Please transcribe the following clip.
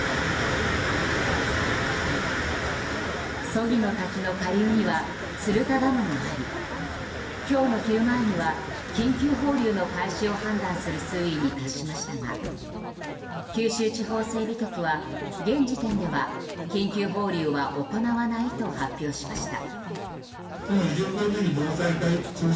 曽木の滝の下流には鶴田ダムがあり今日の昼前には緊急放流の開始を判断する水位に達しましたが九州地方整備局は現時点では緊急放流は行わないと発表しました。